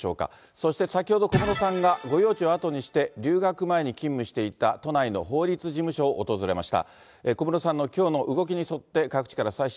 そして先ほど、小室さんが御用地を後にして、留学前に勤務していた都内の法律事務所を訪れました。